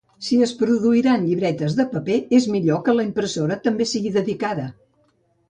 Si es produiran llibretes de paper, és millor que la impressora també sigui dedicada.